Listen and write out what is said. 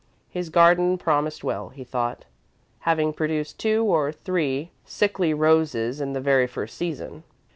His garden promised well, he thought, having produced two or three sickly roses in the very first season.